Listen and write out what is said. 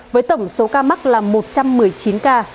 với tổng số ca mắc là một trăm một mươi chín ca